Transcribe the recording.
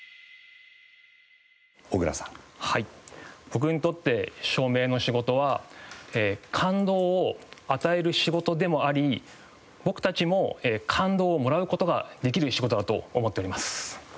僕にとって照明の仕事は感動を与える仕事でもあり僕たちも感動をもらう事ができる仕事だと思っております。